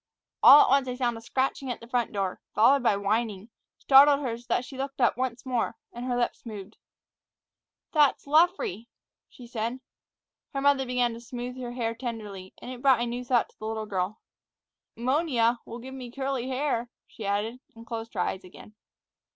All at once a sound of scratching at the front door, followed by whining, startled her so that she looked up once more, and her lips moved. "That's Luffree," she said. Her mother began to smooth her head tenderly, and it brought a new thought to the little girl. "'Monia'll give me curly hair," she added, and closed her eyes again.